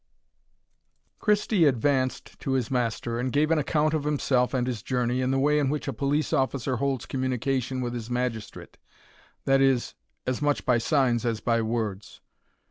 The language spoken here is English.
Christie advanced to his master, and gave an account of himself and his journey, in the way in which a police officer holds communication with his magistrate, that is, as much by signs as by words.